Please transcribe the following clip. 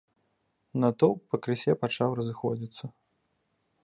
Натоўп пакрысе пачаў разыходзіцца.